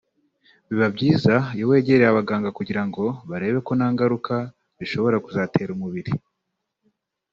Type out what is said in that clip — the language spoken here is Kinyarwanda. biba byiza iyo wegereye abaganga kugirango barebe ko nta ngaruka bishobora kuzatera umubiri